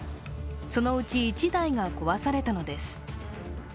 そのうち１台が壊されたのです。